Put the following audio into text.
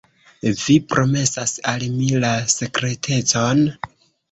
Vi promesas al mi la sekretecon?